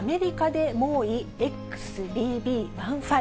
アメリカで猛威ＸＢＢ．１．５。